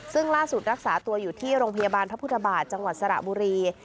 ซึ่งล่าสุดรักษาตัวอยู่ที่โรงพยาบาลพระพุทธบาทจังหวัดสระบุรี